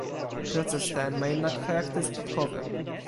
Proces ten ma jednak charakter spadkowy